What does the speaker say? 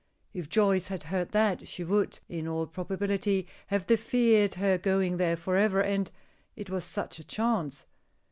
If Joyce had heard that, she would, in all probability, have deferred her going there for ever and it was such a chance.